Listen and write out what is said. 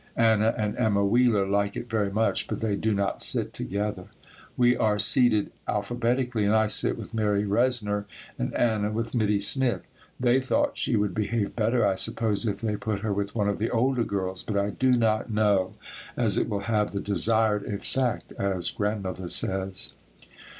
Anna and Emma Wheeler like it very much, but they do not sit together. We are seated alphabetically, and I sit with Mary Reznor and Anna with Mittie Smith. They thought she would behave better, I suppose, if they put her with one of the older girls, but I do not know as it will have the "desired effect," as Grandmother says.